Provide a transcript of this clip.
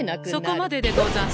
そこまででござんす。